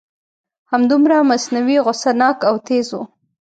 همدومره مصنوعي غصه ناک او تیز و.